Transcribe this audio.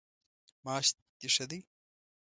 معاش د ښه دی؟